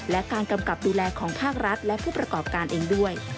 และการกำกับดูแลของภาครัฐและผู้ประกอบการเองด้วย